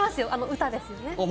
歌ですよね。